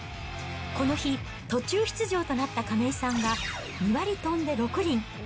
この日、途中出場となった亀井さんは２割飛んで６厘。